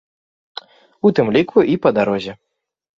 У тым ліку і па дарозе.